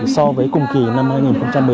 so với cùng kỳ năm hai nghìn một mươi tám